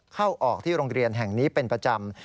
เข้าออกที่โรงเรียนแห่งนี้เป็นประจำ